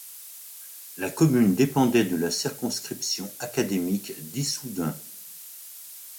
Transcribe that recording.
La commune dépendait de la circonscription académique d'Issoudun.